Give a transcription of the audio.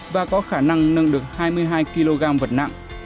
và có khả năng nâng được hai mươi hai kg vật nặng